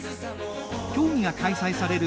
競技が開催される